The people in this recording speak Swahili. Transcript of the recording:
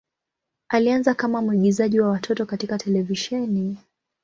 Alianza kama mwigizaji wa watoto katika televisheni.